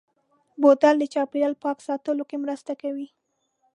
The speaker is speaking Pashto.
بوتل د چاپېریال پاک ساتلو کې مرسته کوي.